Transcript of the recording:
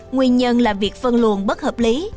nguyên nhân là việc phân luồn bất hợp lý